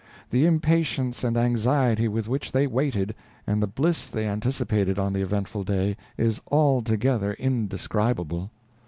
The impatience and anxiety with which they waited, and the bliss they anticipated on the eventful day, is altogether indescribable.